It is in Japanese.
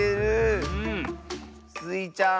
スイちゃん